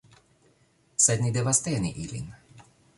Sed ni devas teni ilin.